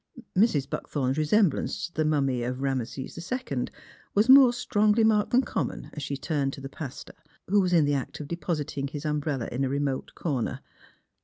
Mrs. Buckthorn's resemblance to the mummy 38 THE HEAET OF PHILURA of Eameses II. was more strongly marked than common as she turned to the pastor, who was in the act of depositing his umbrella in a remote corner.